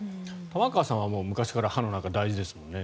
玉川さんは昔から歯の中、大事ですもんね。